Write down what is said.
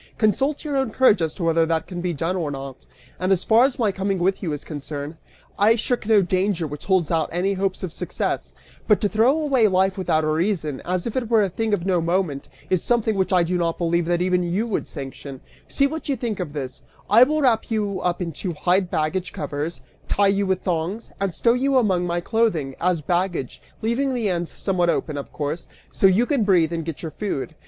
Consult your own courage as to whether that can be done or not. And as far as my coming with you is concerned, I shirk no danger which holds out any hopes of success, but to throw away life without a reason, as if it were a thing of no moment, is something which I do not believe that even you would sanction see what you think of this: I will wrap you up in two hide baggage covers, tie you up with thongs, and stow you among my clothing, as baggage, leaving the ends somewhat open, of course, so you can breathe and get your food.